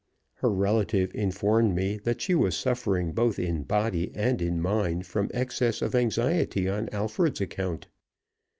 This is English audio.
Her relative informed me that she was suffering both in body and in mind from excess of anxiety on Alfred's account.